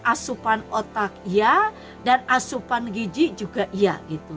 asupan otak ya dan asupan gigi juga ya